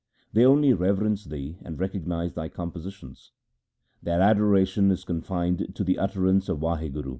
They only reverence thee and recognize thy compositions. Their adoration is confined to the utterance of Wahguru.